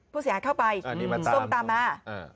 ผู้เสียหายเข้าไปส้มตามมา